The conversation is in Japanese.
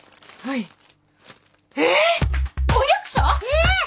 えっ！